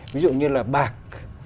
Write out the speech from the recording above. ví dụ như là bạc